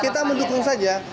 kita mendukung saja